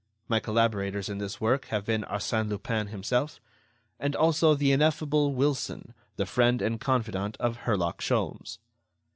My collaborators in this work have been Arsène Lupin himself, and also the ineffable Wilson, the friend and confidant of Herlock Sholmes.